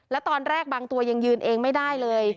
แล้วตอนแรกบางตัวยังยืนเองไม่ได้เลย